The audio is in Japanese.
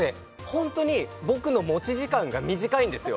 ホントに僕の持ち時間が短いんですよ